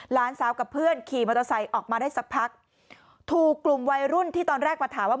หลานสาวกับเพื่อนขี่มอเตอร์ไซค์ออกมาได้สักพักถูกกลุ่มวัยรุ่นที่ตอนแรกมาถามว่า